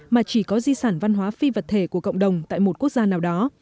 mà chỉ có di sản văn hóa phi vật thể của cộng đồng tại một quốc gia nào đó